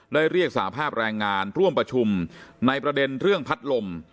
ได้เรียกสาภาพแรงงานร่วมประชุมในประเด็นเรื่องพัดลม